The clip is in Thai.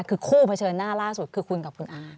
คือคู่เผชิญหน้าล่าสุดคือคุณกับคุณอา